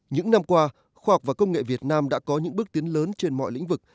những năm qua khoa học và công nghệ việt nam đã có những bước tiến lớn trên mọi lĩnh vực